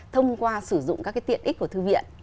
thông qua sử dụng các tiện ích của thư viện